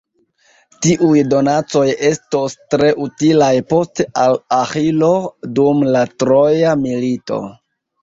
Tiuj donacoj estos tre utilaj poste al Aĥilo dum la Troja milito.